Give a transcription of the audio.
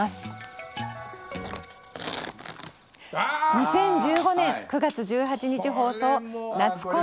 ２０１５年９月１８日放送「夏コミ！